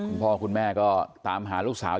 คุณพ่อคุณแม่ก็ตามหาลูกสาว